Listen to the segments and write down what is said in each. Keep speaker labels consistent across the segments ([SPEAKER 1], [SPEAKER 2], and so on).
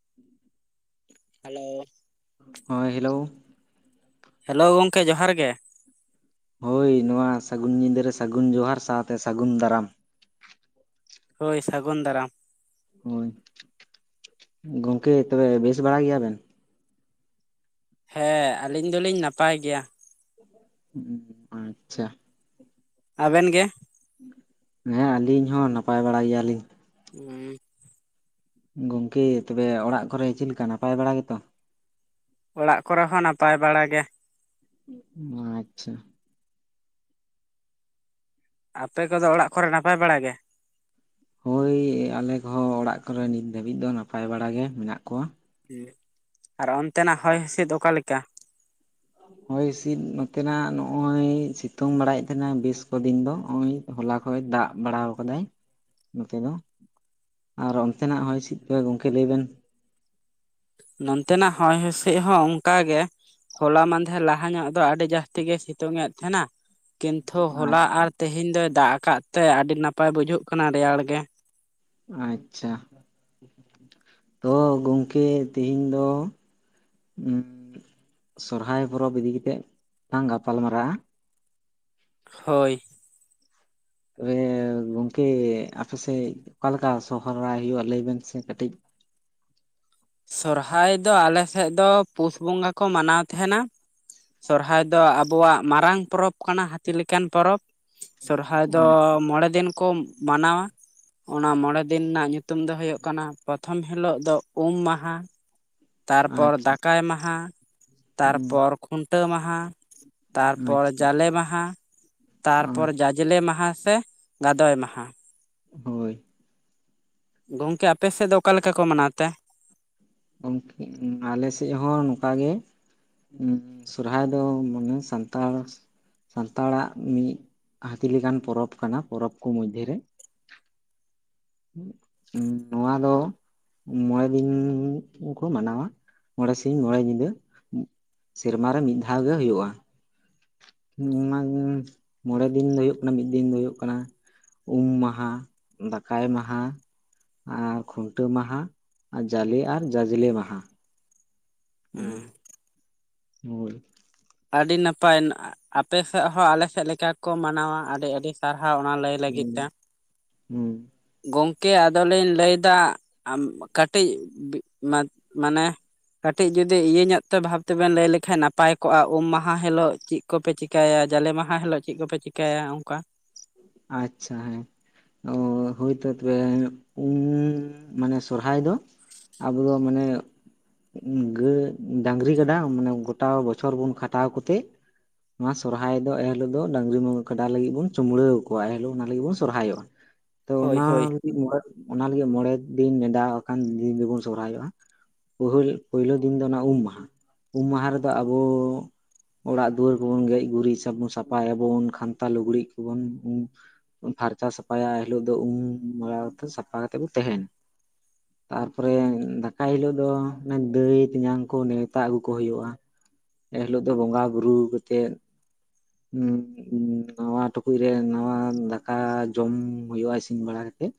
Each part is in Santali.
[SPEAKER 1] [inaudible]
[SPEAKER 2] ᱦᱮᱞᱳ
[SPEAKER 1] ᱦᱚᱭ ᱦᱮᱞᱳ
[SPEAKER 2] ᱦᱮᱞᱳ ᱜᱚᱢᱠᱮ ᱡᱚᱦᱟᱨ ᱜᱮ।
[SPEAKER 1] ᱦᱳᱭ ᱱᱚᱣᱟ ᱥᱟᱹᱜᱩᱱ ᱧᱤᱫᱟᱹ ᱨᱮ ᱥᱟᱹᱜᱩᱱ ᱡᱚᱦᱟᱨ ᱥᱟᱶᱛᱮ ᱥᱟᱹᱜᱩᱱ ᱫᱟᱨᱟᱢ।
[SPEAKER 2] ᱦᱳᱭ ᱥᱟᱹᱜᱩᱱ ᱫᱟᱨᱟᱢ।
[SPEAKER 1] ᱦᱳᱭ, ᱜᱚᱝᱠᱮ ᱛᱚᱵᱮ ᱵᱮᱥ ᱵᱟᱲᱟ ᱜᱮᱭᱟ ᱵᱮᱱ?
[SPEAKER 2] ᱦᱮᱸ ᱟᱹᱞᱤᱧ ᱫᱚᱞᱤᱧ ᱱᱟᱯᱟᱭ ᱜᱮᱭᱟ।
[SPEAKER 1] ᱦᱸ [unintelligible] ᱟᱪᱪᱷᱟ ᱾
[SPEAKER 2] ᱟᱵᱮᱱ ᱜᱮ?
[SPEAKER 1] ᱦᱮᱸ ᱟᱹᱞᱤᱧ ᱦᱚᱸ ᱱᱟᱯᱟᱭ ᱵᱟᱲᱟ ᱜᱮᱭᱟᱞᱤᱧ।
[SPEAKER 2] [unintelligible]
[SPEAKER 1] ᱜᱚᱝᱠᱮ ᱛᱚᱵᱮ ᱚᱲᱟᱜ ᱠᱚᱨᱮ ᱪᱮᱫ ᱞᱮᱠᱟ ᱱᱟᱯᱟᱭ ᱵᱟᱲᱟ ᱜᱮᱛᱚ?
[SPEAKER 2] ᱚᱲᱟᱜ ᱠᱚᱨᱮ ᱦᱚᱸ ᱱᱟᱯᱟᱭ ᱵᱟᱲᱟ ᱜᱮ।
[SPEAKER 1] [inaudible] ᱟᱪᱪᱷᱟ।
[SPEAKER 2] ᱟᱯᱮ ᱠᱚᱫᱚ ᱚᱲᱟᱜ ᱠᱚᱨᱮ ᱱᱟᱯᱟᱭ ᱵᱟᱲᱟ ᱜᱮ?
[SPEAKER 1] ᱦᱳᱭ ᱟᱞᱮ ᱠᱚᱦᱚᱸ ᱚᱲᱟᱜ ᱠᱚᱨᱮ ᱱᱤᱛ ᱫᱷᱟᱹᱵᱤᱡ ᱫᱚ ᱱᱟᱯᱟᱭ ᱵᱟᱲᱟ ᱜᱮ ᱢᱮᱱᱟᱜ ᱠᱚᱣᱟ।
[SPEAKER 2] ᱟᱨ ᱚᱱᱛᱮ ᱱᱟᱜ ᱦᱚᱭ ᱦᱤᱥᱤᱫ ᱚᱠᱟ ᱞᱮᱠᱟ?
[SPEAKER 1] ᱦᱚᱭ ᱦᱤᱸᱥᱤᱫ ᱱᱚᱛᱮ ᱱᱟᱜ ᱱᱚᱜᱼᱚᱭ ᱥᱤᱛᱩᱝ ᱵᱟᱲᱟᱭᱮᱫ ᱛᱟᱦᱮᱱᱟ ᱵᱮᱥ ᱠᱚ ᱫᱤᱱ ᱫᱚ ᱱᱚᱜ ᱚᱭ। ᱦᱚᱞᱟ ᱠᱷᱚᱡ ᱫᱟᱜ ᱵᱟᱲᱟᱣ ᱠᱟᱫᱟᱭ ᱱᱚᱛᱮ ᱫᱚ। ᱟᱨ ᱚᱱᱛᱮᱱᱟᱜ ᱦᱚᱭ ᱦᱤᱥᱤᱫ ᱠᱚᱜᱮ ᱜᱚᱝᱠᱮ ᱞᱟᱹᱭ ᱵᱮᱱ?
[SPEAKER 2] ᱱᱚᱱᱛᱮᱱᱟᱜ ᱦᱚᱭ ᱦᱤᱥᱤᱫ ᱦᱚᱸ ᱚᱱᱠᱟ ᱜᱮ। ᱦᱚᱞᱟ ᱢᱟᱦᱫᱷᱮᱨ ᱞᱟᱦᱟ ᱧᱚᱜ ᱫᱚ ᱟᱹᱰᱤᱰᱤ ᱡᱟᱹᱟᱥᱛᱤ ᱜᱮ ᱥᱤᱛᱩᱝ ᱮᱫ ᱛᱟᱦᱮᱱᱟ। ᱠᱤᱱᱛᱷᱩ ᱦᱚᱞᱟ ᱟᱨ ᱛᱮᱦᱮᱧ ᱫᱚᱭ ᱫᱟᱜ ᱟᱠᱟᱫ ᱛᱮ ᱟᱹᱰᱤ ᱱᱟᱯᱟᱭ ᱵᱩᱡᱷᱟᱹᱜ ᱠᱟᱱᱟ ᱨᱮᱭᱟᱲ ᱜᱮ।
[SPEAKER 1] ᱟᱪᱪᱷᱟ। ᱛᱚ ᱜᱚᱝᱠᱮ ᱛᱤᱦᱤᱧ ᱫᱚ ᱩᱸᱻ ᱥᱚᱨᱦᱟᱭ ᱯᱚᱨᱚᱵᱽ ᱤᱫᱤ ᱠᱟᱛᱮᱜ ᱞᱟᱝ ᱜᱟᱯᱟᱞ ᱢᱟᱨᱟᱜᱼᱟ।
[SPEAKER 2] ᱦᱳᱭ ᱾
[SPEAKER 1] ᱛᱚᱵᱮ ᱜᱚᱝᱠᱮ ᱟᱯᱮ ᱥᱮᱫ ᱚᱠᱟ ᱞᱮᱠᱟ ᱥᱚᱦᱚᱨᱟᱭ ᱦᱩᱭᱩᱜᱼᱟ? ᱞᱟᱹᱭ ᱵᱮᱱ ᱥᱮ ᱠᱟᱹᱴᱤᱡ?
[SPEAKER 2] ᱥᱚᱨᱦᱟᱭ ᱫᱚ ᱟᱞᱮ ᱥᱮᱫ ᱫᱚ ᱯᱩᱥ ᱵᱚᱸᱜᱟ ᱠᱚ ᱢᱟᱱᱟᱣ ᱛᱟᱦᱮᱱᱟ। ᱥᱚᱨᱦᱟᱭ ᱫᱚ ᱟᱵᱚᱣᱟᱜ ᱢᱟᱨᱟᱝ ᱯᱚᱨᱚᱵᱽ ᱠᱟᱱᱟ ᱦᱟᱹᱛᱤ ᱞᱮᱠᱟᱱ ᱯᱚᱨᱚᱵᱽ। ᱥᱚᱨᱦᱟᱭ ᱫᱚ ᱢᱚᱬᱮ ᱫᱤᱱ ᱠᱚ ᱼᱼ ᱢᱟᱱᱟᱣᱟ, ᱚᱱᱟ ᱢᱚᱬᱮᱸ ᱫᱤᱱ ᱨᱮᱱᱟᱜ ᱧᱩᱛᱩᱢ ᱫᱚ ᱦᱩᱭᱩᱜ ᱠᱟᱱᱟ ᱯᱚᱛᱷᱚᱢ ᱦᱤᱞᱚᱜ ᱫᱚ ᱩᱢ ᱢᱟᱦᱟ ᱦᱟᱸ ᱛᱟᱨᱯᱚᱨ
[SPEAKER 1] ᱟᱪᱪᱷᱟ
[SPEAKER 2] ᱫᱟᱠᱟᱭ ᱢᱟᱦᱟ
[SPEAKER 1] ᱦᱩᱸ
[SPEAKER 2] ᱛᱟᱨᱯᱚᱨ ᱠᱷᱩᱱᱴᱟᱹᱣ ᱢᱟᱦᱟ, ᱛᱟᱨᱯᱚᱨ
[SPEAKER 1] ᱟᱪᱪᱷᱟ
[SPEAKER 2] ᱡᱟᱞᱮ ᱢᱟᱦᱟ। ᱛᱟᱨᱯᱚᱨ ᱡᱟᱡᱽᱞᱮ ᱢᱟᱦᱟ ᱥᱮ ᱜᱟᱫᱚᱭ ᱢᱟᱦᱟ।
[SPEAKER 1] ᱦᱳᱭ ᱾
[SPEAKER 2] ᱜᱚᱝᱠᱮ ᱟᱯᱮ ᱥᱮᱫ ᱫᱚ ᱚᱠᱟ ᱞᱮᱠᱟ ᱠᱚ ᱢᱟᱱᱟᱣ ᱛᱮ?
[SPEAKER 1] ᱜᱚᱝᱠᱮ ᱟᱞᱮ ᱥᱮᱫ ᱦᱚᱸ ᱱᱚᱝᱠᱟ ᱜᱮ। ᱮᱸ ᱥᱚᱨᱦᱟᱭ ᱫᱚ ᱢᱟᱱᱮ ᱥᱟᱱᱛᱟᱲ ᱼᱼ ᱥᱟᱱᱛᱟᱲᱟᱜ ᱢᱤᱫ ᱦᱟᱹᱛᱤ ᱞᱮᱠᱟᱱ ᱯᱚᱨᱚᱵᱽ ᱠᱟᱱᱟ ᱯᱚᱨᱚᱵᱽ ᱠᱚ ᱢᱚᱫᱽᱫᱷᱮ ᱨᱮ। ᱱᱚᱣᱟ ᱫᱚ ᱼᱼ ᱢᱚᱬᱮᱸ ᱫᱤᱱ ᱠᱚ ᱢᱟᱱᱟᱣᱟ ᱢᱚᱬᱮᱸ ᱥᱤᱧ ᱢᱚᱬᱮ ᱧᱤᱫᱟᱹ। ᱥᱮᱨᱢᱟ ᱨᱮ ᱢᱤᱫ ᱫᱷᱟᱣ ᱜᱮ ᱦᱩᱭᱩᱜᱼᱟ। [inaudible] ᱢᱚᱲᱮ ᱫᱤᱱ ᱫᱚ ᱦᱩᱭᱩᱜᱭ ᱠᱟᱱᱟ ᱢᱤᱫ ᱫᱤᱱ ᱫᱚ ᱦᱩᱭᱩᱜ ᱠᱟᱱᱟ ᱩᱢ ᱢᱟᱦᱟ, ᱫᱟᱠᱟᱭ ᱢᱟᱦᱟ ᱟᱨ ᱠᱷᱩᱱᱴᱟᱹᱣ ᱢᱟᱦᱟ, ᱟᱨ ᱡᱟᱞᱮ, ᱟᱨ ᱡᱟᱡᱽᱞᱮ ᱢᱟᱦᱟ।
[SPEAKER 2] ᱦᱩᱸ
[SPEAKER 1] [unintelligible]
[SPEAKER 2] ᱟᱹᱰᱤ ᱱᱟᱯᱟᱭ ᱟᱯᱮ ᱥᱮᱫ ᱦᱚᱸ ᱟᱞᱮᱥᱮᱫ ᱞᱮᱠᱟ ᱠᱚ ᱢᱟᱱᱟᱣᱟ ᱟᱹᱰᱤ ᱟᱹᱰᱤ ᱥᱟᱨᱦᱟᱣ ᱚᱱᱟ ᱞᱟᱹᱭ ᱞᱟᱹᱜᱤᱫ ᱛᱮ᱾
[SPEAKER 1] ᱦᱩᱸ
[SPEAKER 2] ᱜᱚᱝᱠᱮ ᱟᱫᱚᱞᱤᱧ ᱞᱟᱹᱭᱫᱟ ᱟᱢ ᱠᱟᱹᱴᱤᱡ ᱢᱟᱱᱮ ᱠᱟᱹᱴᱤᱡ ᱡᱩᱫᱤ ᱤᱭᱟᱹ ᱧᱚᱜ ᱛᱮ ᱵᱷᱟᱵ ᱛᱮᱵᱮᱱ ᱞᱟᱹᱭ ᱞᱮᱠᱷᱟᱡ ᱱᱟᱯᱟᱭ ᱠᱚᱜᱼᱟ ᱩᱢ ᱢᱟᱦᱟ ᱦᱤᱞᱳᱜ ᱪᱮᱫ ᱠᱚᱯᱮ ᱪᱤᱠᱟ. ᱭᱟ ᱡᱟᱞᱮ ᱢᱟᱦᱟ ᱦᱤᱞᱳᱜ ᱪᱮᱫ ᱠᱚᱯᱮ ᱪᱤᱠᱟᱹᱭᱟ ᱚᱱᱠᱟ᱾
[SPEAKER 1] ᱟᱪᱪᱷᱟ ᱦᱮᱸ᱾ ᱚ ᱦᱳᱭᱛᱚ ᱛᱚᱵᱮ ᱩᱢ ᱢᱟᱱᱮ ᱥᱚᱨᱦᱟᱭ ᱫᱚ ᱟᱵᱚ ᱫᱚ ᱢᱟᱱᱮ ᱜᱟ ᱰᱟᱝᱨᱤ ᱜᱟᱰᱟ ᱢᱟᱱᱮ ᱜᱚᱴᱟ ᱵᱚᱪᱷᱚᱨ ᱵᱚᱱ ᱠᱷᱟᱴᱟᱣ ᱠᱚᱛᱮ᱾ ᱱᱚᱣᱟ ᱥᱚᱨᱦᱟᱭ ᱫᱚ ᱮ ᱦᱤᱞᱳᱜ ᱫᱚ ᱰᱟᱝᱨᱤ ᱠᱟᱰᱟ ᱞᱟᱹᱜᱤᱫ ᱵᱚᱱ ᱪᱩᱢᱲᱟᱹᱣ ᱟᱠᱚᱣᱟ ᱮᱱᱦᱤᱞᱳᱜ ᱚᱱᱟ ᱞᱟᱹᱜᱤᱫ ᱵᱚᱱ ᱥᱚᱨᱦᱟᱭᱚᱜᱼᱟ, ᱛᱚ
[SPEAKER 2] ᱦᱳᱭ
[SPEAKER 1] ᱚᱱᱟ
[SPEAKER 2] ᱦᱳᱭ
[SPEAKER 1] ᱚᱱᱟ ᱞᱟᱹᱜᱤᱫ ᱢᱚᱬᱮ ᱫᱤᱱ ᱱᱮᱰᱟᱣ ᱟᱠᱟᱱ ᱫᱤᱱ ᱨᱮᱵᱚᱱ ᱥᱚᱨᱦᱟᱭᱚᱜᱼᱟ᱾ ᱯᱩᱦᱩᱞ ᱯᱳᱭᱞᱳ ᱫᱤᱱ ᱫᱚ ᱚᱱᱟ ᱩᱢ ᱢᱟᱦᱟ ᱩᱢ ᱢᱟᱦᱟ ᱨᱮᱫᱚ ᱟᱵᱚ ᱚᱲᱟᱜ ᱫᱩᱣᱟᱹᱨ ᱠᱚᱵᱚᱱ ᱜᱮᱡ ᱜᱩᱨᱤᱡᱟᱵᱚᱱ ᱥᱟᱯᱷᱟᱭᱟᱵᱚᱱ ᱠᱷᱟᱱᱛᱟ ᱞᱩᱜᱽᱲᱤᱡ ᱠᱚᱵᱚᱱ ᱯᱷᱟᱨᱪᱟ ᱥᱟᱯᱷᱟᱭᱟ ᱮᱦᱤᱞᱳᱜ ᱫᱚ ᱩᱢ ᱢᱟᱲᱟ ᱠᱟᱛᱮ ᱥᱟᱯᱷᱟ ᱠᱟᱛᱮ ᱵᱚᱱ ᱛᱟᱦᱮᱱᱟ᱾ ᱛᱟᱨᱯᱚᱨᱮ ᱫᱟᱠᱟᱭ ᱦᱤᱞᱳᱜ ᱫᱚ ᱚᱱᱮ ᱫᱟᱹᱭ ᱛᱮᱧᱟᱝ ᱠᱚ ᱱᱮᱣᱛᱟ ᱟᱹᱜᱩ ᱠᱚ ᱦᱩᱭᱩᱜᱼᱟ᱾ ᱮ ᱦᱤᱞᱚᱜ ᱫᱚ ᱵᱚᱸᱜᱟ ᱵᱩᱨᱩ ᱠᱛᱮᱜ᱾ ᱱᱟᱣᱟ ᱴᱩᱠᱩᱡ ᱨᱮ ᱱᱟᱣᱟ ᱫᱟᱠᱟ ᱡᱚᱢ ᱦᱩᱭᱩᱜᱼᱟ ᱤᱥᱤᱱ ᱵᱟᱲᱟ ᱠᱟᱛᱮᱜ᱾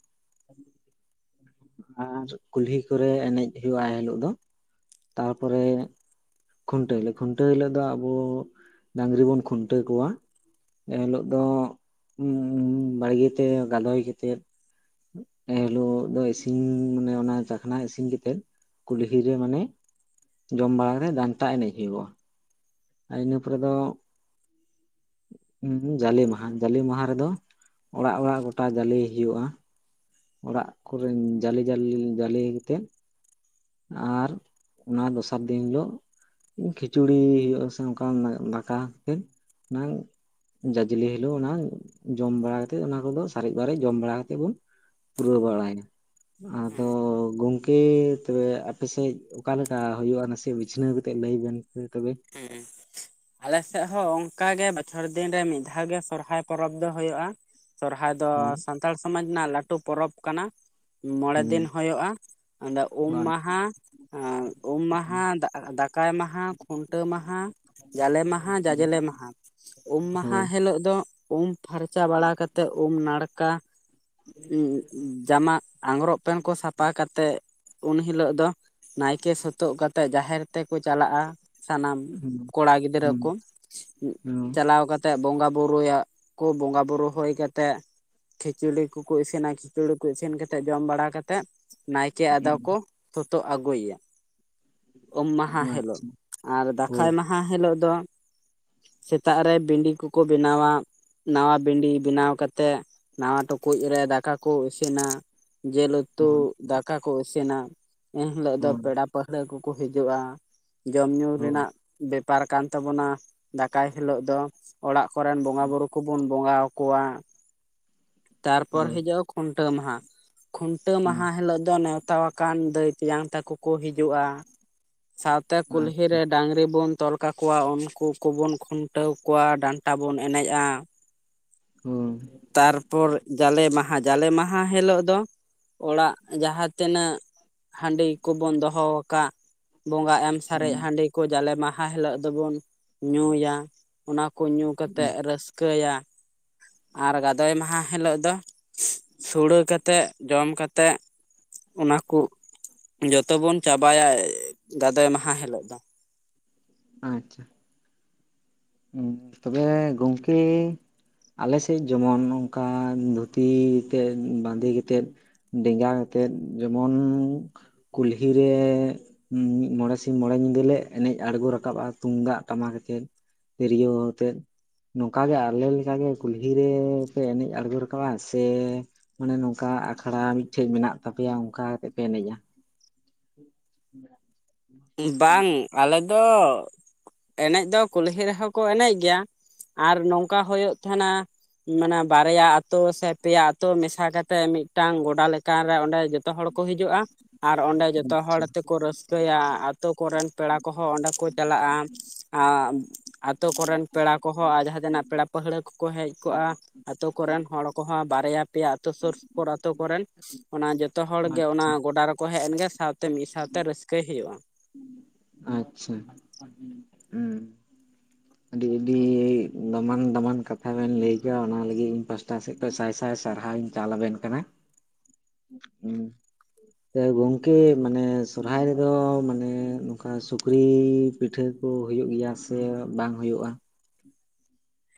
[SPEAKER 1] ᱟᱨ ᱠᱩᱞᱦᱤ ᱠᱚᱨᱮ ᱮᱱᱮᱡ ᱦᱩᱭᱩᱜᱼᱟ ᱮ ᱦᱤᱞᱳᱜ ᱫᱚ, ᱛᱟᱨᱯᱚᱨᱮ ᱠᱷᱩᱱᱴᱟᱹᱣ ᱦᱤᱞᱳᱜ ᱠᱷᱩᱱᱴᱟᱹᱣ ᱦᱤᱞᱳᱜ ᱫᱚ ᱟᱵᱚ ᱰᱟᱝᱨᱤ ᱵᱩᱱ ᱠᱷᱩᱱᱴᱟᱹᱣ ᱠᱚᱣᱟ᱾ ᱮ ᱦᱤᱞᱚᱜ ᱫᱚ ᱵᱟᱲᱜᱮ ᱛᱮ ᱜᱟᱞᱚᱭ ᱠᱟᱛᱮᱫ ᱮ ᱦᱤᱞᱳᱜ ᱫᱚ ᱤᱥᱤ ᱤᱱ ᱢᱟᱱᱮ ᱚᱱᱟ ᱪᱟᱠᱷᱱᱟ ᱤᱥᱤᱱ ᱠᱟᱛᱮᱫ ᱠᱩᱞᱦᱤ ᱨᱮ ᱢᱟᱱᱮ ᱡᱚᱢ ᱵᱟᱲᱟ ᱠᱟᱛᱮᱫ ᱰᱟᱱᱴᱟ ᱮᱱᱮᱡ ᱦᱩᱭᱩᱜᱼᱟ᱾ ᱟᱨ ᱤᱱᱟᱹ ᱯᱚᱨᱮ ᱫᱚ ᱩᱸ ᱡᱟᱞᱮ ᱢᱟᱦᱟ ᱡᱟᱞᱮ ᱢᱟᱦᱟ ᱨᱮᱫᱚ ᱚᱲᱟᱜ ᱚᱲᱟᱜ ᱜᱚᱴᱟ ᱡᱟᱞᱮ ᱦᱩᱭᱩᱜᱼᱟ᱾ ᱚᱲᱟᱜ ᱠᱚᱨᱮᱱ ᱡᱟᱞᱮ ᱡᱟᱞᱮ ᱡᱟᱞᱮ ᱠᱚᱛᱮᱫ᱾ ᱟᱨ ᱚᱱᱟ ᱫᱚᱥᱟᱨ ᱫᱤᱱ ᱦᱤᱞᱳᱜ ᱠᱷᱤᱪᱩᱲᱤ ᱦᱩᱭᱩᱜ ᱟᱥᱮ ᱚᱱᱠᱟ ᱫᱟᱠᱟ ᱠᱟᱛᱮᱫ ᱚᱱᱟ ᱡᱟᱡᱽᱞᱮ ᱦᱤᱞᱳᱜ ᱚᱱᱟ ᱡᱚᱢ ᱵᱟᱲᱟ ᱠᱟᱲᱟ ᱠᱟᱛᱮᱜ ᱚᱱᱟ ᱠᱚᱫᱚ ᱥᱟᱨᱮᱡ ᱵᱟᱨᱮᱡ ᱡᱚᱢ ᱵᱟᱲᱟ ᱠᱟᱛᱮᱫ ᱵᱚᱱ ᱯᱩᱨᱟᱹᱣ ᱵᱟᱲᱟᱭᱱᱟ ᱟᱫᱚ ᱜᱚᱝᱠᱮ ᱛᱚᱵᱮ ᱟᱯᱮᱥᱮᱫ ᱚᱠᱟ ᱞᱮᱠᱟ ᱦᱩᱭᱩᱜᱼᱟ ᱱᱟᱥᱮ ᱵᱤᱪᱷᱱᱟᱹᱣ ᱠᱟᱛᱮᱜ ᱞᱟᱹᱭ ᱵᱮᱱ ᱯᱮ ᱛᱚᱵᱮ?
[SPEAKER 2] ᱦᱮᱸ᱾ ᱟᱞᱮᱥᱮᱫ ᱦᱚᱸ ᱚᱱᱠᱟ ᱜᱮ ᱵᱚᱪᱷᱚᱨ ᱫᱤᱱ ᱨᱮ ᱢᱤᱫ ᱫᱷᱟᱣ ᱜᱮ ᱥᱚᱨᱦᱟᱭ ᱯᱚᱨᱚᱵᱽ ᱫᱚ ᱦᱳᱭᱳᱜᱼᱟ᱾ ᱥᱚᱨᱦᱟᱭ ᱫᱚ
[SPEAKER 1] ᱦᱳᱭ
[SPEAKER 2] ᱥᱟᱱᱛᱟᱲ ᱥᱚᱢᱟᱡᱽ ᱨᱮᱱᱟᱜ ᱞᱟᱹᱴᱩ ᱯᱚᱨᱚᱵᱽ ᱠᱟᱱᱟ ᱢᱚᱲᱮ ᱫᱤᱱ
[SPEAKER 1] ᱦᱩᱸ
[SPEAKER 2] ᱦᱳᱭᱳᱜᱼᱟ᱾ ᱚᱸᱰᱮ ᱩᱢ ᱢᱟᱦᱟ ᱩᱢ ᱢᱟᱦᱟ ᱫᱟᱠᱟᱭ ᱢᱟᱦᱟ ᱠᱷᱩᱱ ᱢᱟᱦᱟ ᱡᱟᱞᱮ ᱢᱟᱦᱟ ᱡᱟᱡᱞᱮ ᱢᱟᱦᱟ ᱩᱢ ᱢᱟᱦᱟ
[SPEAKER 1] ᱦᱳᱭ
[SPEAKER 2] ᱦᱤᱞᱳᱜ ᱫᱚ ᱩᱢ ᱯᱷᱟᱨᱪᱟ ᱵᱟᱲᱟ ᱠᱟᱛᱮᱜ ᱩᱢ ᱱᱟᱲᱠᱟ ᱡᱟᱢᱟ ᱟᱝᱜᱽᱨᱚᱵᱽ ᱯᱮᱱ ᱠᱚ ᱥᱟᱯᱟ ᱠᱟᱛᱮᱜ ᱩᱱ ᱦᱤᱞᱳᱜ ᱫᱚ ᱱᱟᱭᱠᱮ ᱥᱳᱛᱳᱜ ᱠᱟᱛᱮᱜ ᱡᱟᱦᱮᱨ ᱛᱮᱠᱚ ᱪᱟᱞᱟᱜᱼᱟ᱾ ᱥᱟᱱᱟᱢ
[SPEAKER 1] ᱦᱩᱸ
[SPEAKER 2] ᱠᱚᱲᱟ ᱜᱤᱫᱽᱨᱟᱹ
[SPEAKER 1] ᱦᱩᱸ
[SPEAKER 2] ᱠᱚ ᱪᱟᱞᱟᱣ ᱠᱟ ᱛᱮ ᱵᱚᱸᱜᱟ ᱵᱩᱨᱩᱭᱟ ᱠᱚ ᱵᱚᱸᱜᱟ ᱵᱩᱨᱩ ᱦᱳᱭ ᱠᱟᱛᱮᱜ ᱠᱷᱤᱪᱩᱲᱤ ᱠᱚᱠᱚ ᱤᱥᱤᱱᱟ ᱠᱷᱤᱪᱩᱲᱤ ᱠᱚ ᱤᱥᱤᱱ ᱠᱟᱛᱮᱫ ᱡᱚᱢ ᱵᱟᱲᱟ ᱠᱟᱛᱮᱫ᱾ ᱱᱟᱭᱠᱮ ᱟᱫᱚ
[SPEAKER 1] ᱦᱩᱸ
[SPEAKER 2] ᱠᱚ ᱥᱳᱛᱳᱜ ᱟᱹᱜᱩᱭᱮᱭᱟ ᱩᱢ ᱢᱟᱦᱟ ᱦᱤᱞᱳᱜ᱾
[SPEAKER 1] ᱟᱪᱪᱷᱟ
[SPEAKER 2] ᱟᱨ ᱫᱟᱠᱟᱭ
[SPEAKER 1] ᱦᱳᱭ
[SPEAKER 2] ᱢᱟᱦᱟ ᱦᱤᱞᱳᱜ ᱫᱚ ᱥᱮᱛᱟᱜ ᱨᱮ ᱵᱤᱱᱰᱤ ᱠᱚᱠᱚ ᱵᱮᱱᱟᱣᱟ᱾ ᱱᱟᱣᱟ ᱵᱤᱱᱰᱤ ᱵᱮᱱᱟᱣ ᱠᱟᱛᱮᱫ ᱱᱟᱣᱟ ᱴᱩᱠᱩᱡ ᱨᱮ ᱫᱟᱠᱟ ᱠᱚ ᱤᱥᱤᱱᱟ᱾ ᱡᱮᱞ ᱩᱛᱩ
[SPEAKER 1] ᱦᱳᱭ
[SPEAKER 2] ᱫᱟᱠᱟ ᱠᱚ ᱤᱥᱤᱱᱟ ᱮᱱᱦᱤᱞᱚᱜ ᱫᱚ
[SPEAKER 1] ᱦᱳᱭ
[SPEAKER 2] ᱯᱮᱲᱟ ᱯᱟᱹᱦᱲᱟᱹ ᱠᱚᱠᱚ ᱦᱤᱡᱩᱜᱼᱟ᱾ ᱡᱚᱢ ᱧᱩ
[SPEAKER 1] ᱦᱳᱭ
[SPEAKER 2] ᱨᱮᱱᱟᱜ ᱵᱮᱯᱟᱨ ᱠᱟᱱ ᱛᱟᱵᱚᱱᱟ ᱫᱟᱠᱟᱭ ᱦᱤᱞᱳᱜ ᱫᱚ᱾ ᱚᱲᱟᱜ ᱠᱚᱨᱮᱱ ᱵᱚᱸᱜᱟ ᱵᱩᱨᱩ ᱠᱚᱵᱩᱱ ᱵᱚᱸᱜᱟ ᱟᱠᱚᱣᱟ᱾ ᱛᱟᱨᱯᱚᱨ
[SPEAKER 1] ᱦᱳᱭ
[SPEAKER 2] ᱦᱤᱡᱩᱜᱼᱟ ᱼᱼ ᱠᱷᱩᱱᱴᱟᱹᱣ ᱢᱟᱦᱟ᱾ ᱠᱷᱩᱱᱴᱟᱹᱣ
[SPEAKER 1] ᱦᱩᱸ
[SPEAKER 2] ᱢᱟᱦᱟ ᱦᱤᱞᱳᱜ ᱫᱚ ᱱᱮᱣᱛᱟ-ᱣᱟ ᱼᱼ ᱠᱟᱱ ᱫᱟᱹᱭ ᱛᱮᱭᱟᱝ ᱛᱟᱠᱚ ᱠᱚ ᱦᱤᱡᱩᱜᱼᱟ। ᱥᱟᱶᱛᱮ ᱠᱩᱞᱦᱤ
[SPEAKER 1] ᱟᱪᱪᱷᱟ
[SPEAKER 2] ᱨᱮ ᱰᱟᱝᱨᱤ ᱵᱚᱱ ᱼᱼ ᱛᱚᱞ ᱠᱟᱠᱚᱣᱟ ᱩᱱᱠᱩ ᱠᱚᱵᱚᱱ ᱠᱷᱩᱱᱴᱟᱹᱣ ᱠᱚᱣᱟ। ᱰᱟᱱᱴᱟ ᱵᱚᱱ ᱮᱱᱮᱡᱼᱟ।
[SPEAKER 1] ᱦᱩᱸ᱾
[SPEAKER 2] ᱛᱟᱨᱯᱚᱨ ᱡᱟᱞᱮ ᱢᱟᱦᱟ। ᱡᱟᱞᱮ ᱢᱟᱦᱟ ᱦᱤᱞᱳᱜ ᱫᱚ, ᱚᱲᱟᱜ ᱡᱟᱦᱟᱸ ᱛᱤᱱᱟᱹᱜ ᱼᱼ ᱦᱟᱺᱰᱤ ᱠᱚᱵᱳᱱ ᱫᱚᱦᱚ ᱟᱠᱟᱫ ᱵᱚᱸᱜᱟ ᱮᱢ ᱼᱼ ᱥᱟᱨᱮᱡ
[SPEAKER 1] ᱦᱩᱸ
[SPEAKER 2] ᱦᱟᱺᱰᱤ ᱠᱚ ᱡᱟᱞᱮ ᱢᱟᱦᱟ ᱦᱤᱞᱳᱜ ᱫᱚᱵᱚᱱ ᱧᱩᱭᱟ। ᱚᱱᱟ ᱠᱚ ᱧᱩ ᱠᱟᱛᱮᱜ ᱨᱟᱹᱥᱠᱟᱹ ᱭᱟ। ᱟᱨ ᱜᱟᱫᱚᱭ ᱢᱟᱦᱟ ᱦᱤᱞᱳᱜ ᱫᱚ ᱥᱩᱲᱟᱹ ᱠᱟᱛᱮᱜ, ᱡᱚᱢ ᱠᱟᱛᱮᱜ, ᱚᱱᱟ ᱠᱚ ᱡᱚᱛᱚᱵᱚᱱ ᱪᱟᱵᱟᱭᱟ ᱜᱟᱫᱚᱭ ᱢᱟᱦᱟ ᱦᱤᱞᱳᱜ ᱫᱚ।
[SPEAKER 1] ᱟᱪᱪᱷᱟ᱾ ᱦᱮᱸ ᱛᱚᱵᱮ ᱜᱚᱝᱠᱮᱻ ᱟᱞᱮ ᱥᱮᱫ ᱡᱮᱢᱚᱱ ᱚᱱᱠᱟᱱ ᱫᱷᱩᱛᱤ ᱛᱮ ᱵᱟᱸᱫᱮ ᱠᱟᱛᱮᱫ ᱼᱼ ᱰᱮᱸᱜᱟ ᱟᱛᱮᱫ, ᱡᱮᱢᱚᱱ ᱠᱩᱞᱦᱤ ᱨᱮ ᱻ [unintelligible] ᱢᱚᱬᱮ ᱥᱤᱧ ᱢᱚᱲᱮ ᱧᱤᱫᱟᱹ ᱞᱮ ᱮᱱᱮᱡ ᱟᱬᱜᱚ ᱨᱟᱠᱟᱵᱼᱟ ᱛᱩᱢᱫᱟᱜ ᱴᱟᱢᱟᱠ ᱟᱛᱮᱫ। ᱛᱨᱤᱭᱟᱹᱣ ᱚᱛᱮᱫ। ᱱᱚᱝᱠᱟ ᱜᱮ ᱟᱞᱮ ᱞᱮᱠᱟ ᱜᱮ ᱠᱩᱞᱦᱤ ᱨᱮᱻ ᱯᱮ ᱮᱱᱮᱡ ᱟᱬᱜᱚ ᱨᱟᱠᱟᱵᱟ᱾ ᱥᱮ ᱼᱼ ᱢᱟᱱᱮ ᱱᱚᱝᱠᱟ ᱟᱠᱷᱟᱲᱟ ᱢᱤᱫ ᱴᱷᱮᱡ ᱢᱮᱱᱟᱜ ᱛᱟᱯᱮᱭᱟ, ᱚᱱᱠᱟ ᱠᱟᱛᱮᱜ ᱯᱮ ᱮᱱᱮᱡᱟ? [inaudible]
[SPEAKER 2] ᱵᱟᱝ। ᱟᱞᱮ ᱫᱚ ᱮᱱᱮᱡ ᱫᱚ ᱠᱩᱞᱦᱤ ᱨᱮᱦᱚᱸ ᱠᱚ ᱮᱱᱮᱡ ᱜᱮᱭᱟ ᱟᱨ ᱱᱚᱝᱠᱟ ᱦᱩᱭᱩᱜ ᱛᱮᱦᱮᱸᱱᱟ ᱼᱼ ᱢᱟᱱᱮ ᱵᱟᱨᱭᱟ ᱟᱛᱳ ᱥᱮ ᱯᱮᱭᱟ ᱟᱛᱳ ᱢᱮᱥᱟ ᱠᱟᱛᱮᱜ ᱢᱤᱫᱴᱟᱝ ᱜᱚᱰᱟ ᱞᱮᱠᱟᱱ ᱨᱮ ᱚᱸᱰᱮ ᱼᱼ ᱡᱚᱛᱚ ᱦᱚᱲ ᱠᱚ ᱦᱤᱡᱩᱜᱼᱟ, ᱟᱨ ᱚᱸᱰᱮ ᱡᱚᱛᱚ ᱦᱚᱲ
[SPEAKER 1] ᱟᱪᱪᱷᱟ
[SPEAKER 2] ᱛᱮᱠᱚ ᱨᱟᱹᱥᱠᱟᱹᱭᱟ। ᱟᱛᱳ ᱠᱚᱨᱮᱱ ᱯᱮᱲᱟ ᱠᱚᱦᱚᱸ ᱚᱸᱰᱮ ᱠᱚ ᱪᱟᱞᱟᱜᱼᱟ। ᱟᱸᱻ ᱟᱛᱳ ᱠᱚᱨᱮᱱ ᱯᱮᱲᱟ ᱠᱚᱦᱚᱸ, ᱟᱨ ᱡᱟᱦᱟᱸ ᱛᱤᱱᱟᱜ ᱯᱮᱲᱟ ᱯᱟᱹᱲᱦᱟᱹ ᱠᱚᱠᱚ ᱦᱮᱡ ᱠᱚᱜᱼᱟ ᱼᱼ ᱟᱹᱛᱳ ᱠᱚᱨᱮᱱ ᱦᱚᱲ ᱠᱚᱦᱚᱸ, ᱵᱟᱨᱭᱟ ᱯᱮᱭᱟ ᱟᱹᱛᱩ ᱥᱩᱨ ᱥᱩᱯᱩᱨ ᱟᱹᱛᱳ ᱠᱚᱨᱮᱱ ᱚᱱᱟ ᱡᱚᱛᱚ ᱦᱚᱲᱜᱮ ᱚᱱᱟ
[SPEAKER 1] ᱟᱪᱪᱷᱟ
[SPEAKER 2] ᱜᱚᱰᱟ ᱨᱮᱠᱚ ᱦᱮᱡ ᱮᱱᱜᱮ ᱥᱟᱶᱛᱮ ᱢᱤᱫ ᱥᱟᱶᱛᱮ ᱨᱟᱹᱥᱠᱟᱹᱭ ᱦᱩᱭᱩᱜᱼᱟ।
[SPEAKER 1] ᱟᱪᱪᱷᱟ᱾
[SPEAKER 2] [inaudible]
[SPEAKER 1] ᱟᱹᱰᱤ-ᱟᱹᱰᱤ ᱫᱟᱢᱟᱱ-ᱫᱟᱢᱟᱱ ᱠᱟᱛᱷᱟ ᱵᱮᱱ ᱞᱟᱹᱭ ᱠᱮᱜᱼᱟ, ᱚᱱᱟ ᱞᱟᱹᱜᱤᱫ ᱤᱧ ᱯᱟᱥᱴᱟ ᱥᱮᱫ ᱼᱼ ᱥᱟᱭ ᱥᱟᱭ ᱥᱟᱨᱦᱟᱣ ᱤᱧ ᱪᱟᱞ ᱟᱵᱮᱱ ᱠᱟᱱᱟ। [unintelligible] ᱥᱮ ᱜᱚᱝᱠᱮ ᱢᱟᱱᱮ ᱥᱚᱨᱦᱟᱭ ᱨᱮᱫᱚ ᱢᱟᱱᱮ ᱱᱚᱝᱠᱟ ᱥᱩᱠᱨᱤᱻ ᱯᱤᱴᱷᱟᱹ ᱠᱚ ᱦᱩᱭᱩᱜ ᱜᱮᱭᱟ ᱥᱮ ᱵᱟᱝ ᱦᱩᱭᱩᱜᱼᱟ?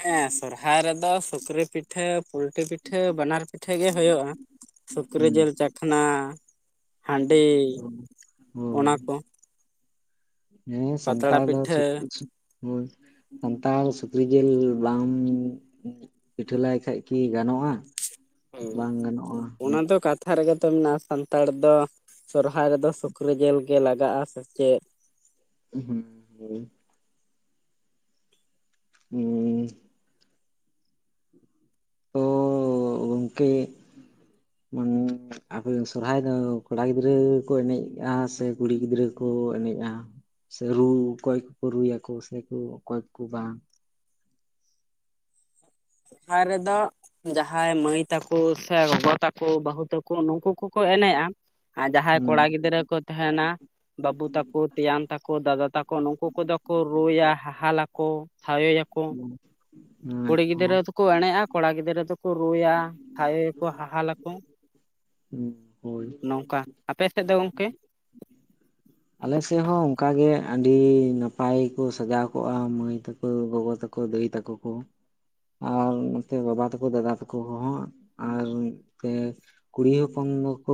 [SPEAKER 2] ᱦᱮᱸ ᱥᱚᱨᱦᱟᱭ ᱨᱮᱫᱚ ᱥᱩᱠᱨᱤ ᱯᱤᱴ ᱴᱷᱟᱹ [unintelligible] ᱯᱩᱞᱴᱤ ᱯᱤᱴᱷᱟᱹ ᱵᱟᱱᱟᱨ ᱯᱤᱴᱷᱟᱹ ᱜᱮ ᱦᱩᱭᱩᱜᱼᱟ। ᱥᱩᱠᱨᱤ
[SPEAKER 1] ᱦᱩᱸ
[SPEAKER 2] ᱡᱤᱞ ᱪᱟ [unintelligible] ᱠᱷᱟᱱᱟ ᱦᱟᱺᱰᱤ। ᱚᱱᱟ
[SPEAKER 1] ᱦᱳᱭ᱾
[SPEAKER 2] ᱠᱚ
[SPEAKER 1] ᱦᱮᱸ
[SPEAKER 2] ᱯᱟᱛᱲᱟ
[SPEAKER 1] ᱥᱛᱟᱲ ᱫᱚ
[SPEAKER 2] ᱯᱤᱴᱷᱟᱹ
[SPEAKER 1] [unintelligible] ᱥᱟᱱᱛᱟᱲ ᱥᱩᱠᱨᱤ ᱡᱤᱞ ᱵᱟᱢ ᱼᱼ ᱯᱤᱴᱷᱟᱹ ᱞᱟᱭ ᱠᱷᱟᱡ ᱠᱤ ᱜᱟᱱᱚᱜᱼᱟ?
[SPEAKER 2] ᱦᱮᱸ,
[SPEAKER 1] ᱵᱟᱝ ᱜᱟᱱᱚᱜᱼᱟ
[SPEAKER 2] ᱚᱱᱟ
[SPEAKER 1] ᱦᱩᱸ
[SPEAKER 2] ᱫᱚ ᱠᱟᱛ ᱠᱟᱛᱷᱟ ᱨᱮᱜᱮ ᱛᱚ ᱢᱮᱱᱟᱜᱼᱟ ᱥᱟᱱᱛᱟᱲ ᱫᱚ ᱥᱚᱨᱦᱟᱭ ᱨᱮᱫᱚ ᱥᱩᱠᱨᱤ ᱡᱤᱞ ᱜᱮ ᱞᱟᱜᱟᱜᱼᱟ ᱥᱮ ᱪᱮᱫ।
[SPEAKER 1] ᱩ ᱦᱩᱸ᱾ ᱦᱳᱭ ᱦᱩᱸ ᱛᱚ ᱜᱚᱝᱠᱮ ᱢᱟᱱ ᱟᱯᱮ ᱫᱚ ᱥᱚᱨᱦᱟᱭ ᱫᱚ ᱠᱚᱲᱟ ᱜᱤᱫᱽᱨᱟᱹ ᱠᱚ ᱮᱱᱮᱡᱼᱟ, ᱥᱮ ᱠᱩᱲᱤ ᱜᱤᱫᱽᱨᱟᱹ ᱠᱚ ᱮᱱᱮᱡᱼᱟ? ᱥᱮ ᱨᱩ ᱚᱠᱚᱭ ᱠᱚᱠᱚ ᱨᱩᱭᱟᱠᱚ ᱥᱮᱠᱚ ᱚᱠᱚᱭ ᱠᱚ ᱵᱟᱝ
[SPEAKER 2] ᱥᱚᱦᱨᱟᱭ ᱨᱮᱫᱚ ᱡᱟᱦᱟᱸᱭ ᱢᱟᱹᱭ ᱛᱟᱠᱚ ᱥᱮ ᱜᱚᱜᱚ ᱛᱟᱠᱚ ᱵᱟᱹᱦᱩ ᱛᱟᱠᱚ ᱱᱩᱠᱩ ᱠᱚ ᱠᱚ ᱮᱱᱮᱡᱼᱟ, ᱟᱨ ᱡᱟᱦᱟᱸᱭ
[SPEAKER 1] ᱦᱩᱸ
[SPEAKER 2] ᱠᱚᱲᱟ ᱜᱤᱫᱽᱨᱟᱹ ᱠᱚ ᱛᱟᱦᱮᱸᱱᱟ ᱵᱟᱹᱵᱩ ᱛᱟᱠᱚ ᱛᱮᱭᱟᱱ ᱛᱟᱠᱚ ᱫᱟᱫᱟ ᱛᱟᱠᱚ ᱱᱩᱠᱩ ᱠᱚᱫᱚ ᱠᱚ ᱨᱩᱭᱟ ᱦᱟᱦᱟᱞᱟ ᱠᱚ᱾ ᱛᱷᱟᱭᱳ ᱭᱟᱠᱚ᱾
[SPEAKER 1] ᱦᱩᱸ᱾
[SPEAKER 2] ᱠᱩᱲᱤ ᱜᱤᱫᱽᱨᱟᱹ ᱫᱚᱠᱚ ᱮᱱᱮᱜᱼᱟ ᱠᱚᱲᱟ ᱜᱤᱫᱽᱨᱟᱹ ᱫᱚ ᱠᱚ ᱨᱩᱭᱟ ᱟᱭᱳᱭᱟᱠᱚ ᱦᱟᱦᱟᱞ ᱟᱠᱚ,
[SPEAKER 1] ᱦᱩᱸ ᱦᱳᱭ᱾
[SPEAKER 2] ᱱᱚᱝᱠᱟ ᱟᱯᱮ ᱥᱮᱫ ᱫᱚ ᱜᱚᱝᱠᱮ?
[SPEAKER 1] ᱟᱞᱮᱥᱮᱫ ᱦᱚᱸ ᱚᱝᱠᱟᱜ ᱜᱮ ᱟᱹᱰᱤ ᱱᱟᱯᱟᱭ ᱠᱚ ᱥᱟᱡᱟᱣ ᱠᱚᱜᱼᱟ ᱢᱟᱹᱭ ᱛᱟᱠᱚ ᱜᱚᱜᱚ ᱛᱟᱠᱚ ᱫᱟᱹᱭ ᱛᱟᱠᱚ ᱠᱚ ᱟᱨ ᱱᱚᱛᱮ ᱵᱟᱵᱟ ᱛᱟᱠᱚ ᱫᱟᱫᱟ ᱛᱟᱠᱚ ᱦᱚᱸ ᱟᱨ ᱱᱚᱛᱮ ᱠᱩᱲᱤ ᱦᱚᱯᱚᱱ ᱫᱚᱠᱚ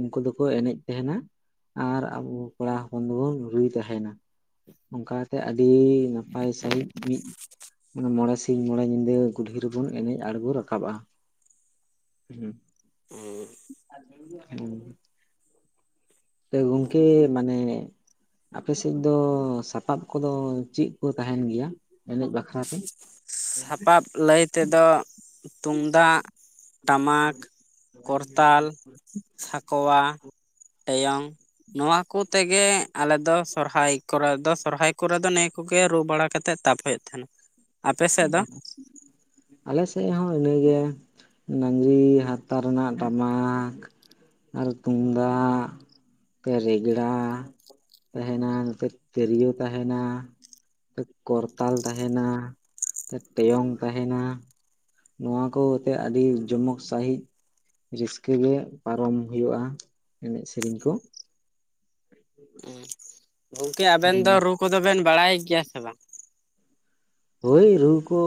[SPEAKER 1] ᱩᱱᱠᱩ ᱫᱚᱠᱚ ᱮᱱᱮᱡ ᱛᱟᱦᱮᱸᱱᱟ, ᱟᱨ ᱟᱵᱚ ᱠᱚᱲᱟ ᱦᱚᱯᱚᱱ ᱫᱚᱵᱚᱱ ᱨᱩᱭ ᱛᱟᱦᱮᱸᱱᱟ᱾ ᱚᱱᱠᱟᱛᱮ ᱟᱹᱰᱤ ᱱᱟᱯᱟᱭ ᱥᱟᱺᱦᱤᱡ ᱢᱤᱫ ᱚᱱᱟ ᱢᱚᱬᱮ ᱥᱤᱧ ᱢᱚᱬᱮ ᱧᱤᱫᱟᱹ ᱠᱩᱞᱦᱤ ᱨᱮᱵᱩᱱ ᱮᱱᱮᱡ ᱟᱬᱜᱚ ᱨᱟᱠᱟᱵᱼᱟ᱾ ᱦᱮᱸ᱾
[SPEAKER 2] ᱦᱮᱸ᱾
[SPEAKER 1] [inaudible] ᱮ ᱜᱚᱝᱠᱮ ᱢᱟᱱᱮ ᱟᱯᱮᱥᱮᱫ ᱫᱚ ᱥᱟᱯᱟᱵ ᱠᱚᱫᱚ ᱪᱮᱫ ᱠᱚ ᱛᱟᱦᱮᱸᱱ ᱜᱮᱭᱟ? ᱮᱱᱮᱡ ᱵᱟᱠᱷᱨᱟᱛᱮ?
[SPEAKER 2] ᱥᱟᱯᱟᱯ ᱞᱟᱹᱭ ᱛᱮᱫᱚ ᱛᱩᱢᱫᱟᱜ ᱴᱟᱢᱟᱠ ᱠᱚᱨᱛᱟᱞ, ᱥᱟᱠᱚᱣᱟ, ᱮᱭᱚᱝ ᱱᱚᱣᱟ ᱠᱚᱛᱮᱜᱮ ᱟᱞᱮᱫᱚ ᱥᱚᱨᱦᱟᱭ ᱠᱚᱨᱮ ᱫᱚ ᱥᱚᱨᱦᱟᱭ ᱠᱚᱨᱮ ᱫᱚ ᱱᱤᱭᱟᱹ ᱠᱚᱜᱮ ᱨᱩ ᱵᱟᱲᱟ ᱠᱟᱛᱮᱜ ᱛᱟᱯ ᱮᱫ ᱛᱟᱦᱮᱸᱱᱟ᱾
[SPEAKER 1] ᱦᱩᱸ ᱟᱫᱚ ᱟᱞᱮ ᱥᱮᱫ ᱦᱚᱸ ᱤᱱᱟᱹᱜᱮ ᱰᱟᱹᱝᱨᱤ ᱦᱟᱨᱛᱟ ᱨᱮᱱᱟᱜ ᱴᱟᱢᱟᱠ ᱟᱨ ᱛᱩᱢᱫᱟᱜ ᱱᱚᱛᱮ ᱨᱮᱜᱽᱲᱟ ᱛᱟᱦᱮᱸᱱᱟ ᱱᱚᱛᱮ ᱛᱤᱨᱭᱳ ᱛᱟᱦᱮᱸᱱᱟ᱾ ᱠᱚᱨᱛᱟᱞ ᱛᱟᱦᱮᱸᱱᱟ᱾ ᱛᱮ ᱴᱮᱭᱚᱝ ᱛᱟᱦᱮᱸᱱᱟ᱾ ᱱᱚᱣᱟ ᱠᱚ ᱦᱚᱛᱮᱜ ᱟᱹᱰᱤ ᱡᱚᱢᱚᱠ ᱥᱟᱺᱦᱤᱡ ᱨᱟᱹᱥᱠᱟᱹ ᱜᱮ ᱯᱟᱨᱚᱢ ᱦᱩᱭᱩᱜᱼᱟ ᱮᱱᱮᱡ ᱥᱮᱨᱮᱧ ᱠᱚ, ᱦ
[SPEAKER 2] ᱜᱚᱝᱠᱮ ᱟᱵᱮᱱ ᱫᱚ ᱨᱩ ᱠᱚᱫᱚ ᱵᱮᱱ ᱵᱟᱲᱟᱭ ᱜᱮᱭᱟ ᱥᱮ ᱵᱟᱝ?
[SPEAKER 1] ᱦᱳᱭ ᱨᱩ ᱠᱚ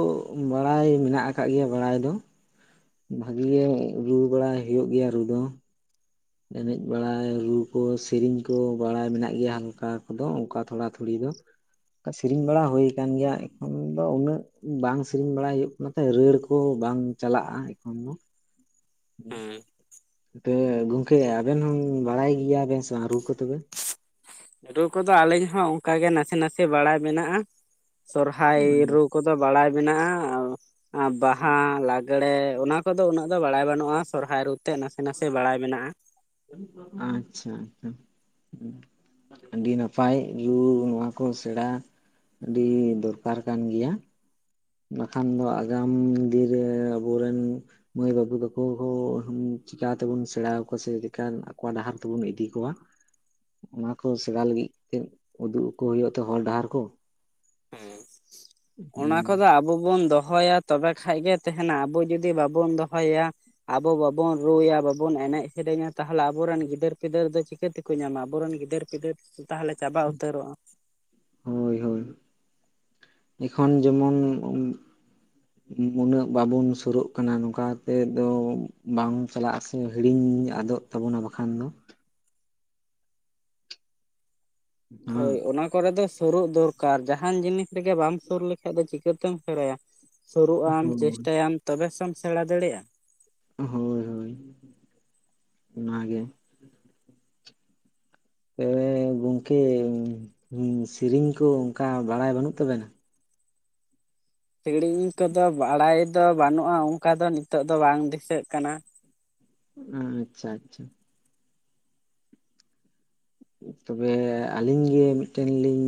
[SPEAKER 1] ᱵᱟᱲᱟᱭ ᱢᱮᱱᱟᱜ ᱠᱟᱜ ᱜᱮᱭᱟ ᱵᱟᱲᱟᱭ ᱫᱚ᱾ ᱵᱷᱟᱜᱤ ᱜᱮ ᱨᱩ ᱵᱟᱲᱟᱭ ᱦᱩᱭᱩᱜ ᱜᱮᱭᱟ ᱨᱩ ᱫᱚ᱾ ᱮᱱᱮᱡ ᱵᱟᱲᱟᱭ ᱨᱩ ᱠᱚ ᱥᱮᱨᱮᱧ ᱠᱚ ᱵᱟᱲᱟᱭ ᱢᱮᱱᱟᱜ ᱜᱮᱭᱟ ᱦᱟᱞᱠᱟ ᱦᱟᱞᱠᱤ ᱫᱚ ᱠᱚᱫᱚ ᱚᱱᱠᱟ ᱛᱷᱚᱲᱟ ᱛᱷᱩᱲᱤ ᱫᱚ᱾ ᱠᱟ ᱥᱮᱨᱮᱧ ᱵᱟᱲᱟ ᱦᱩᱭ ᱟᱠᱟᱱ ᱜᱮᱭᱟ, ᱮᱸ ᱠᱷᱟᱱ ᱫᱚ ᱵᱟᱝ ᱥᱮᱨᱮᱧ ᱵᱟᱲᱟ ᱦᱩᱭᱩᱜ ᱠᱟᱱᱟ ᱛᱟᱦᱮᱸᱫ, ᱨᱟᱹᱲ ᱠᱚ ᱵᱟᱝ ᱪᱟᱞᱟᱜᱼᱟ ᱮᱸᱠᱷᱚᱱ ᱫᱚ᱾
[SPEAKER 2] ᱦᱮᱸ
[SPEAKER 1] [unintelligible] ᱛᱮᱻᱜ ᱜᱚᱝᱠᱮ ᱟᱵᱮᱱ ᱦᱚᱸᱝ ᱵᱟᱲᱟᱭ ᱜᱮᱭᱟ ᱵᱮᱱ ᱥᱮ ᱨᱩ ᱠᱚ ᱛᱚᱵᱮ?
[SPEAKER 2] ᱨᱩ ᱠᱚᱫᱚ ᱟᱞᱤᱧ ᱦᱚᱸ ᱚᱸᱠᱟ ᱜᱮ ᱱᱟᱥᱮ ᱱᱟᱥᱮ ᱵᱟᱲᱟᱭ ᱢᱮᱱᱟᱜᱼᱟ, ᱥᱚᱨᱦᱟᱭ ᱨᱩ ᱠᱚᱫᱚ ᱵᱟᱲᱟᱭ ᱢᱮᱱᱟᱜᱼᱟᱸ, ᱟᱸ ᱵᱟᱦᱟᱸ ᱞᱟᱜᱽᱬᱮ ᱚᱱᱟ ᱠᱚᱫᱚ ᱩᱱᱟᱹᱜ ᱠᱚᱫᱚ ᱵᱟᱲᱟᱭ ᱵᱟᱱᱩᱜᱼᱟ ᱥᱚᱨᱦᱟᱭ ᱨᱩ ᱛᱮᱫ ᱱᱟᱥᱮ ᱱᱟᱥᱮ ᱵᱟᱲᱟᱭ ᱢᱮᱱᱟᱜᱼᱟ᱾
[SPEAKER 1] ᱟᱪᱪᱷᱟ ᱟᱪᱪᱷᱟ, ᱦᱩᱸ᱾ ᱟᱹᱰᱤ ᱱᱟᱯᱟᱭ ᱨᱩ ᱱᱚᱣᱟ ᱠᱚ ᱥᱮᱬᱟ ᱟᱹᱰᱤ ᱫᱚᱨᱠᱟᱨ ᱠᱟᱱ ᱜᱮᱭᱟ᱾ ᱵᱟᱠᱷᱟᱱ ᱫᱚ ᱟᱜᱟᱢ ᱫᱤᱨᱮᱸ ᱟᱵᱚᱨᱮᱱ ᱢᱟᱹᱭ ᱵᱟᱹᱵᱩ ᱛᱟᱠᱚ ᱦᱚ ᱦᱩᱸ ᱪᱤᱠᱟᱛᱮᱵᱚᱱ ᱥᱮᱬᱟ ᱦᱟᱠᱚᱣᱟ ᱥᱮ ᱪᱮᱠᱟᱱ ᱟᱠᱚᱣᱟᱜ ᱰᱟᱦᱟᱨ ᱛᱮᱵᱚᱱ ᱤᱫᱤ ᱠᱚᱣᱟ᱾
[SPEAKER 2] [inaudible]
[SPEAKER 1] ᱚᱱᱟ ᱠᱚ ᱥᱮᱬᱟ ᱞᱟᱹᱜᱤᱫ ᱛᱮᱫ ᱩᱫᱩᱜ ᱟᱠᱚ ᱦᱩᱭᱩᱜᱼᱟ ᱛᱚ ᱦᱚᱨ ᱰᱟᱦᱟᱨ ᱠᱚ᱾
[SPEAKER 2] ᱦᱮᱸ, ᱚᱱᱟ ᱠᱚᱫᱚ ᱟᱵᱚ ᱵᱚᱱ ᱫᱚᱦᱚᱭᱟ ᱛᱚ ᱵᱮ ᱠᱷᱟᱡ ᱜᱮ ᱛᱮᱦᱮᱸᱱᱟ, ᱟᱵᱚ ᱡᱩᱫᱤ ᱵᱟᱵᱚᱱ ᱫᱚᱦᱚᱭᱟ ᱟᱵᱚ ᱵᱟᱵᱚᱱ ᱨᱩ ᱭᱟ, ᱵᱟᱵᱚᱱ ᱮᱱᱮᱡ ᱥᱮᱨᱮᱧᱟ, ᱛᱟᱦᱮᱞᱮ ᱟᱵᱚ ᱨᱮᱱ ᱜᱤᱫᱟᱹᱨ ᱯᱤᱫᱟᱹᱨ ᱫᱚ ᱪᱤᱠᱟᱹᱛᱮ ᱠᱚ ᱧᱟᱢᱼᱟ, ᱟᱵᱚ ᱨᱮᱱ ᱜᱤᱫᱟᱹᱨ ᱯᱤᱫᱟᱹᱨ ᱛᱟᱦᱚᱞᱮ ᱪᱟᱵᱟ ᱩᱛᱟᱹᱨᱚᱜᱼᱟ
[SPEAKER 1] ᱦᱳᱭ ᱦᱳᱭ, ᱮᱸᱠᱷᱚᱱ ᱡᱮᱢᱚᱱ ᱩᱸ
[SPEAKER 2] [inaudible]
[SPEAKER 1] ᱩᱸ ᱩᱱᱟᱹᱜ ᱵᱟᱵᱚᱱ ᱥᱩᱨᱳᱜ ᱠᱟᱱᱟ, ᱱᱚᱝ ᱠᱟ ᱦᱟᱛᱮᱫ ᱫᱚ ᱵᱟᱢ ᱪᱟᱞᱟᱜᱼᱟ ᱥᱮ ᱦᱤᱲᱤᱧ ᱟᱫᱚᱜ ᱛᱟᱵᱚᱱᱟ ᱵᱟᱠᱷᱟᱱ ᱫᱚ᱾ ᱦᱮᱸ
[SPEAKER 2] ᱦᱳᱭ ᱚᱱᱟ ᱠᱚᱨᱮ ᱫᱚ ᱥᱩᱨᱩᱜ ᱫᱚᱨ- ᱠᱟᱨ, ᱡᱟᱦᱟᱸᱱ ᱡᱤᱱᱤᱥ ᱨᱮᱜᱮ ᱵᱟᱢ ᱥᱩᱨ ᱞᱮᱠᱷᱟᱡ ᱫᱚ ᱪᱤᱠᱟᱹ ᱛᱮᱢ ᱦᱟᱹᱨ ᱟᱭᱟ, ᱥᱩᱨᱩᱜ ᱟᱢ
[SPEAKER 1] ᱦᱳᱭ
[SPEAKER 2] ᱪᱮᱥᱴᱟᱭᱟᱢ᱾ ᱛᱚᱵᱮ ᱥᱮᱢ ᱥᱮᱬᱟ ᱫᱟᱲᱮᱭᱟ᱾
[SPEAKER 1] ᱦᱳᱭ ᱦᱳᱭ, ᱚᱱᱟ ᱜᱮ᱾ ᱮ ᱜᱚᱝᱠᱮ ᱩᱸ, ᱦᱩᱸ ᱥᱮᱨᱤᱧ ᱠᱚ ᱚᱝᱠᱟ ᱵᱟᱲᱟᱭ ᱵᱟᱹᱱᱩᱜ ᱛᱟᱵᱮᱱᱟ?
[SPEAKER 2] ᱥᱮᱜᱽᱲᱤᱧ ᱠᱚᱫᱚ ᱵᱟᱲᱟᱭ ᱫᱚ ᱵᱟᱹᱱᱩᱜᱼᱟ, ᱚᱸᱠᱟ ᱫᱚ ᱱᱤᱛᱚᱜ ᱫᱚ ᱵᱟᱝ ᱫᱤᱥᱟᱹᱜ ᱠᱟᱱᱟ᱾
[SPEAKER 1] ᱟᱸᱻᱪᱪᱷᱟ ᱟᱪᱪᱷᱟ᱾ ᱛᱚᱵᱮ ᱟᱹᱞᱤᱧ ᱜᱮ ᱢᱤᱫᱴᱟᱹᱱ ᱞᱤᱧ